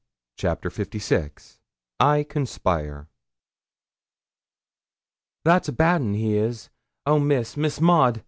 CHAPTER LVI I CONSPIRE 'That's a bad un, he is oh, Miss, Miss Maud!